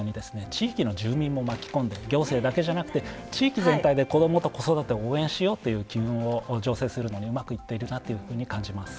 地域の住民も巻き込んで行政だけじゃなくて地域全体で子どもと子育てを応援しようという機運を醸成するのにうまくいっているなというふうに感じます。